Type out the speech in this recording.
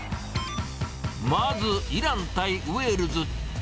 まず、イラン対ウェールズ。